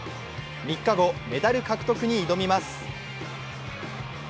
３日後、メダル獲得に挑みます。